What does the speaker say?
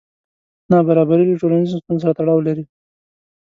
نابرابري له ټولنیزو ستونزو سره تړاو لري.